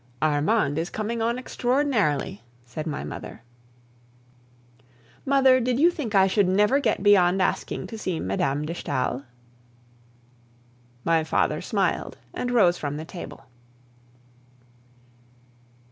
"Armande is coming on extraordinarily," said my mother. "Mother, did you think I should never get beyond asking to see Mme. de Stael?" My father smiled, and rose from the table.